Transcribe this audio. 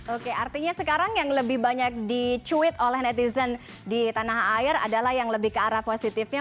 oke artinya sekarang yang lebih banyak dicuit oleh netizen di tanah air adalah yang lebih ke arah positifnya